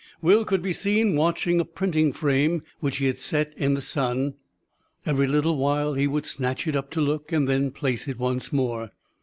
Will could be seen watching a printing frame which he had set in the sun. Every little while he would snatch it up to look, and then place it once more.